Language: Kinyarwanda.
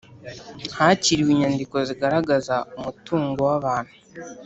hakiriwe inyandiko zigaragaza umutungo w’abantu